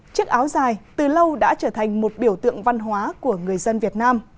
chiếc áo dài từ lâu đã trở thành một biểu tượng văn hóa của người dân việt nam